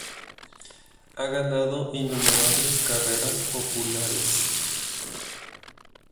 Ha ganado innumerables carreras populares.